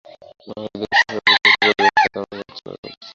মনে হল এই দুঃসহ বিচিত্র পরিবেশই হয়তো আমাকে আচ্ছন্ন করে ফেলছে।